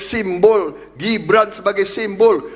simbol gibran sebagai simbol